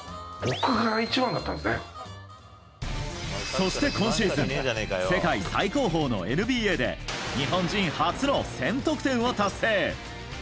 そして今シーズン世界最高峰のＮＢＡで日本人初の１０００得点を達成。